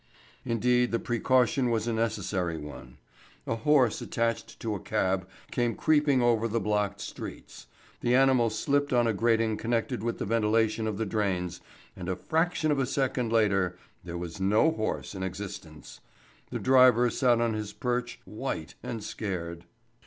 Indeed, the precaution was a necessary one. A horse attached to a cab came creeping over the blocked streets; the animal slipped on a grating connected with the ventilation of the drains, and a fraction of a second later there was no horse in existence. The driver sat on his perch, white and scared.